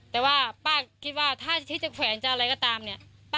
แต่ว่าป้าเราคิดว่าถ้าจะแขวนจากอะไรก็ตามนี้ป้าก็ขอทุกครั้ง